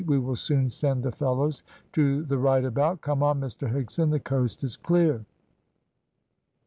We will soon send the fellows to the right about. Come on, Mr Higson, the coast is clear."